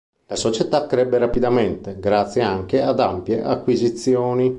La società crebbe rapidamente, grazie anche ad ampie acquisizioni.